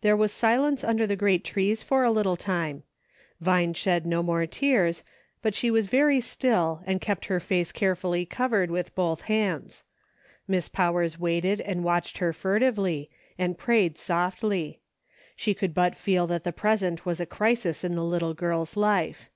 THERE was silence under the great trees for a little time. Vine shed no more tears, but she was very still, and kept her face carefully cov ered with both hands. Miss Powers waited and watched her furtively, and prayed softly. She could but feel that the present was a crisis in the little girl's life.